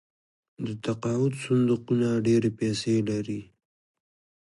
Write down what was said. د تقاعد صندوقونه ډیرې پیسې لري.